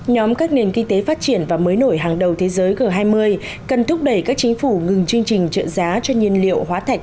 nhóm các nền kinh tế phát triển và mới nổi hàng đầu thế giới g hai mươi cần thúc đẩy các chính phủ ngừng chương trình trợ giá cho nhiên liệu hóa thạch